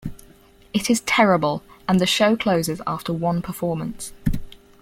It is terrible, and the show closes after one performance.